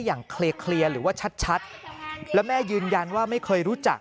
อย่างเคลียร์หรือว่าชัดแล้วแม่ยืนยันว่าไม่เคยรู้จัก